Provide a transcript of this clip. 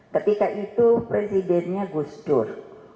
ketika itu presidennya gus dur